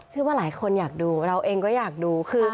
ว่าหลายคนอยากดูเราเองก็อยากดู